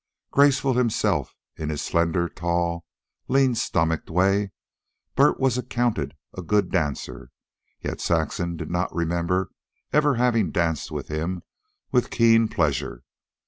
Graceful himself in his slender, tall, lean stomached way, Bert was accounted a good dancer; yet Saxon did not remember ever having danced with him with keen pleasure.